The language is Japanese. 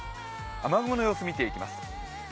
雨雲の様子、見ていきます。